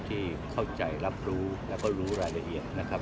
ที่เข้าใจรับรู้แล้วก็รู้รายละเอียดนะครับ